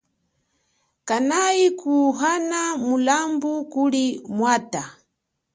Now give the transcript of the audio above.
Kanayi kuhana mulambu kuli mwatha.